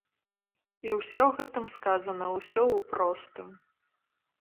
І ўсё гэтым сказана, усё ў простым.